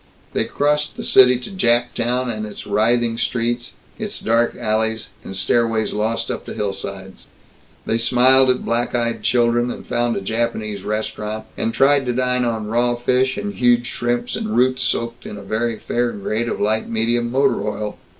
They crossed the city to Jap Town and its writhing streets, its dark alleys and stairways lost up the hillsides. They smiled at black eyed children, and found a Japanese restaurant, and tried to dine on raw fish and huge shrimps and roots soaked in a very fair grade of light medium motor oil.